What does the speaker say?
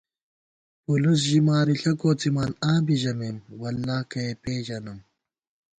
پُلُس ژِی مارِݪہ کوڅِمان آں بی ژَمېم، “واللہ کہ ئے پېژَنم”